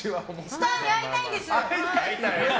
スターに会いたいんです！